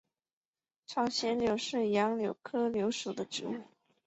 朝鲜柳是杨柳科柳属的植物。